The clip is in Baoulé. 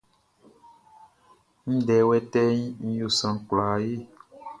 Ndɛ wɛtɛɛʼn yo sran kwlaa ye.